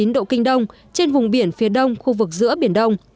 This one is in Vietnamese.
một trăm một mươi chín chín độ kinh đông trên vùng biển phía đông khu vực giữa biển đông